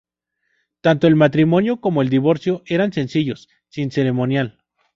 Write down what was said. Tanto el matrimonio como el divorcio eran sencillos, sin ceremonial.